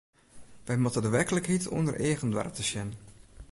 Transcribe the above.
Wy moatte de werklikheid ûnder eagen doare te sjen.